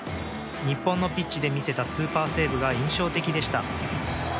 日本のピッチで見せたスーパーセーブが印象的でした。